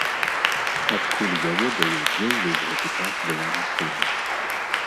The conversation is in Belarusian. Адкуль я ведаю, дзе ўвесь гэты час была машына?